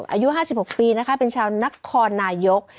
อายุ๕๖ปีนะคะเป็นชาวนครนายก